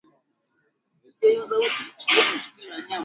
Ukungu mweupe kwenye konea ya jicho kupungua kwa uwezo wa kuona